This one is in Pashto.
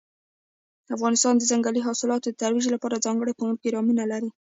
افغانستان د ځنګلي حاصلاتو د ترویج لپاره ځانګړي پروګرامونه لري.